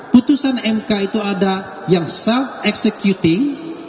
putusan mk itu ada yang self executing